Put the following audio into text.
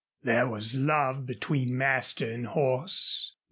There was love between master and horse.